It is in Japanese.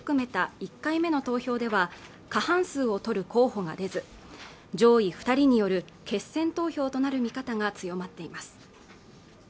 １回目の投票では過半数を取る候補が出ず上位二人による決選投票となる見方が強まっています